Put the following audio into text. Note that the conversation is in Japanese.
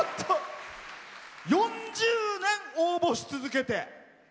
４０年応募し続けて。